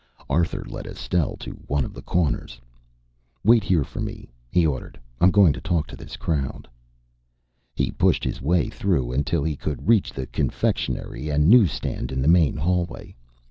Arthur led Estelle to one of the corners. "Wait for me here," he ordered. "I'm going to talk to this crowd." He pushed his way through until he could reach the confectionery and news stand in the main hallway.